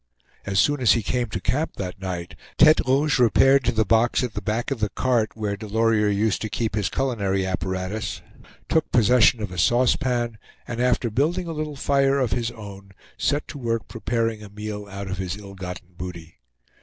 As soon as he came to camp that night Tete Rouge repaired to the box at the back of the cart, where Delorier used to keep his culinary apparatus, took possession of a saucepan, and after building a little fire of his own, set to work preparing a meal out of his ill gotten booty.